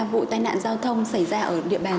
vụ tai nạn giao thông xảy ra ở địa bàn